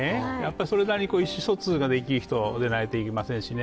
それなりに意思疎通ができる人でないといけませんしね。